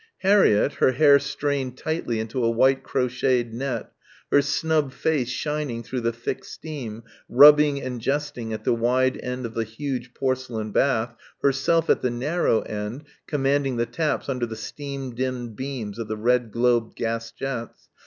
Harriett, her hair strained tightly into a white crocheted net, her snub face shining through the thick steam, tubbing and jesting at the wide end of the huge porcelain bath, herself at the narrow end commanding the taps under the steam dimmed beams of the red globed gasjets